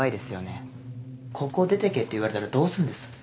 ここを出てけって言われたらどうするんです？